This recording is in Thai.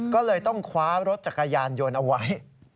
ก็เลยต้องคว้ารถจักรยานยนต์เอาไว้